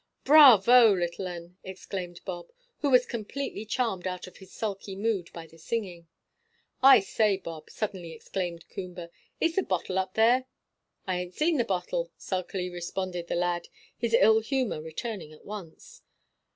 "Bravo, little 'un," exclaimed Bob, who was completely charmed out of his sulky mood by the singing. "I say, Bob," suddenly exclaimed Coomber, "is the bottle up there?" "I ain't seen the bottle," sulkily responded the lad, his ill humour returning at once.